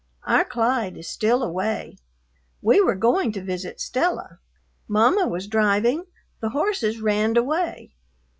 Our Clyde is still away. We were going to visit Stella. Mama was driving, the horses raned away.